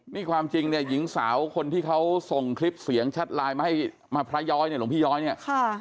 มีความจริงหญิงสาวคนที่เขาส่งคลิปเสียงชัดลายมาพระยอยหลวงพี่ย้อย